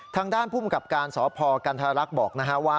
ทางด้านภูมิกับการสพกันธรรักษ์บอกว่า